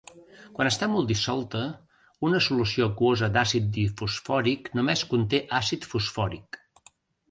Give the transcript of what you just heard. Quan està molt dissolta, una solució aquosa d'àcid difosfòric només conté àcid fosfòric.